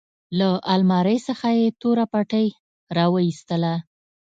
له المارۍ څخه يې توره پټۍ راوايستله.